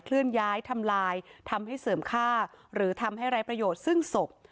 เลื่อนย้ายทำลายทำให้เสริมค่าหรือทำให้ไร้ประโยชน์ซึ่งศพ